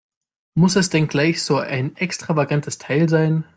Muss es denn gleich so ein extravagantes Teil sein?